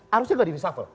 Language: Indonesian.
harusnya gak di resuffle